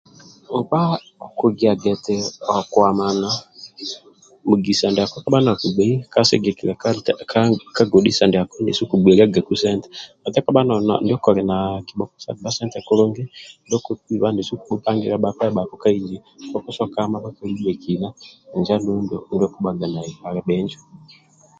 Kobha nokugiaga eti okwamana mugisa ndiako kabha nakugbei ka sigikilia ka godhisa ndiako nesi okugbeliagaku sente ati kabha ndio koli nakibhoko sa gba sente kulungi ndio kokuiba nesi okubhupangilia bhakpa ndibhako ka inji kokutoka ama bhakali ndibhekina ali bhinjo